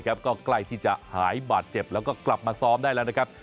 ก็ใกล้ที่จะหายบาดเจ็บแล้วก็กลับมาซ้อมได้แล้วนะครับ